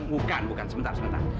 bukan bukan sebentar sebentar